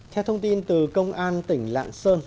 theo thông tin từ công an tỉnh lạng sơn